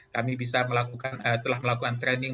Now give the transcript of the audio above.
kami bisa melakukan telah melakukan training